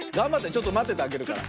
ちょっとまっててあげるから。